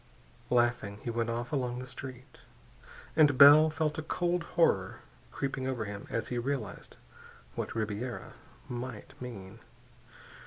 Laughing, he went off along the street. And Bell felt a cold horror creeping over him as he realized what Ribiera might mean.